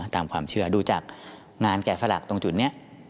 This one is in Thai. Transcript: ตามความเชื่อดูจากงานแกะสลักตรงจุดนี้